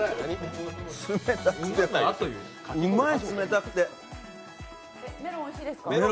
うまい、冷たくて。